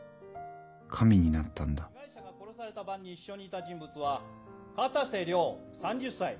被害者が殺された晩に一緒にいた人物は片瀬涼３０歳。